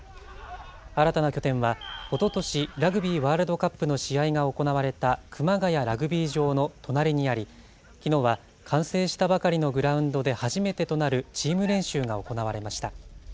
新たな拠点はおととし、ラグビーワールドカップの試合が行われた熊谷ラグビー場の隣にあり、きのうは完成したばかりのグラウンドで初めてとなるチーム練習が行われました。